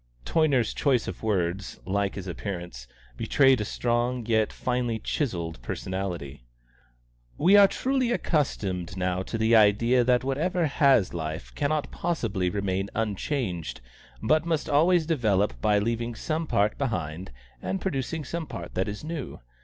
Toyner's choice of words, like his appearance, betrayed a strong, yet finely chiselled personality. "We are truly accustomed now to the idea that whatever has life cannot possibly remain unchanged, but must always develop by leaving some part behind and producing some part that is new.